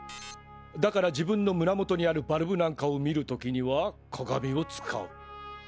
だから自分の胸元にあるバルブなんかを見る時には鏡を使う。